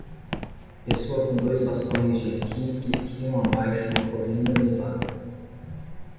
Pessoa com dois bastões de esqui que esquiam abaixo uma colina nevada